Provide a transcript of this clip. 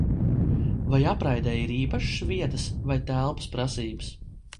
Vai apraidei ir īpašas vietas vai telpas prasības?